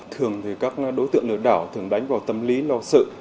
thường thì các đối tượng lừa đảo thường đánh vào tâm lý lo sự